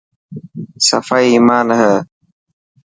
صفائي ايمان هي.